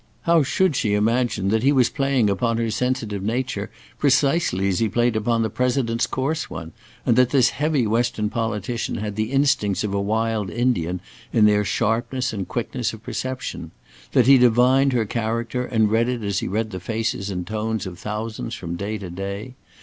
How should she imagine that he was playing upon her sensitive nature precisely as he played upon the President's coarse one, and that this heavy western politician had the instincts of a wild Indian in their sharpness and quickness of perception; that he divined her character and read it as he read the faces and tones of thousands from day to day?